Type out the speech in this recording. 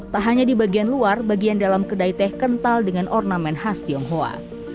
tak hanya di bagian luar bagian dalam kedai teh kental dengan ornamen khas tionghoa